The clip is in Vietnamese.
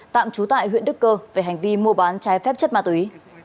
tạm trú tại huyện đức cơ về hành vi mua bán trái phép chất ma túy